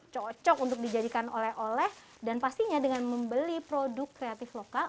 cocok untuk dijadikan oleh oleh dan pastinya dengan membeli produk kreatif lokal